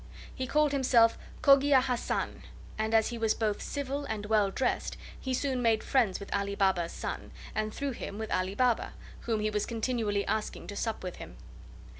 He called himself Cogia Hassan, and as he was both civil and well dressed he soon made friends with Ali Baba's son, and through him with Ali Baba, whom he was continually asking to sup with him.